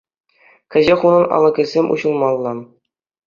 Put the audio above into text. Кӗҫех унӑн алӑкӗсем уҫӑлмалла.